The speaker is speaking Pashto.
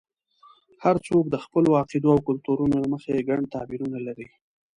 هر څوک د خپلو عقیدو او کلتورونو له مخې ګڼ تعبیرونه لري.